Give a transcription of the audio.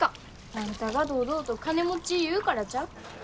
あんたが堂々と金持ち言うからちゃう？